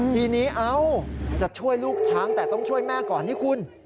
ทีนี้เอ้าจะช่วยลูกช้างแต่ต้องช่วยแม่ก่อนนี่คุณ